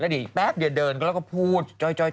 แล้วเดี๋ยวแป๊บเดี๋ยวเดินก็พูดจ้อย